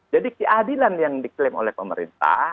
jadi keadilan yang diklaim oleh pemerintah